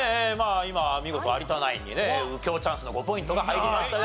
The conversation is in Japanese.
今見事有田ナインにね右京チャンスの５ポイントが入りましたが。